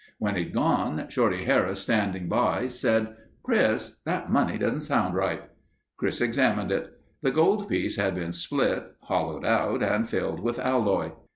When he'd gone, Shorty Harris standing by said: "Chris, that money doesn't sound right." Chris examined it. The gold piece had been split, hollowed out and filled with alloy.